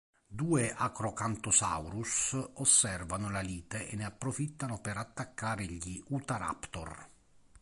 Due "Acrocanthosaurus" osservano la lite e ne approfittano per attaccare gli "Utahraptor".